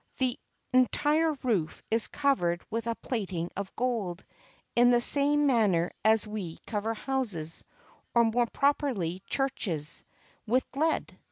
The en tire roof is covered with a plating of gold, in the same manner as we cover houses, or more properly churches, with lead.